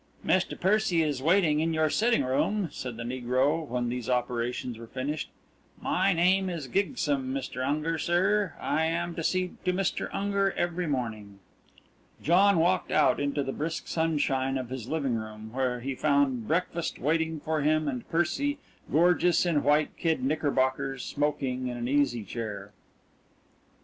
"Mr. Percy is waiting in your sitting room," said the negro, when these operations were finished. "My name is Gygsum, Mr. Unger, sir. I am to see to Mr. Unger every morning." John walked out into the brisk sunshine of his living room, where he found breakfast waiting for him and Percy, gorgeous in white kid knickerbockers, smoking in an easy chair.